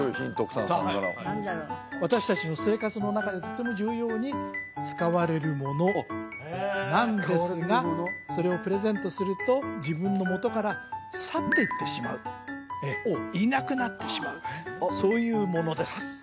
草野さんから私達の生活の中でとても重要に使われるものなんですがそれをプレゼントすると自分のもとから去っていってしまういなくなってしまうそういうものですあっ！